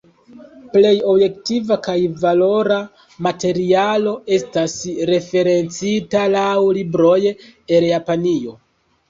Plej objektiva kaj valora materialo estas referencita laŭ libroj el Japanio.